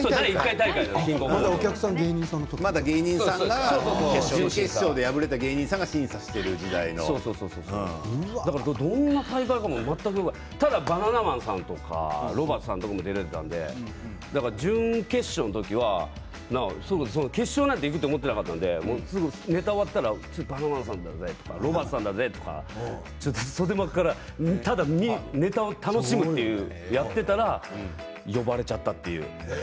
まだお客さんが準決勝で敗れた芸人さんがただバナナマンさんとかロバートさんとかも出られていたので準決勝の時はそんな決勝なんていくと思っていなかったのでネタが終わったらバナナマンさんだぜとかロバートさんだぜとか袖からネタを楽しむとやっていたら呼ばれちゃったという。